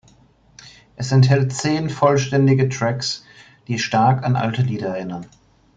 Es enthält zehn vollständige Tracks, die stark an alte Lieder erinnern.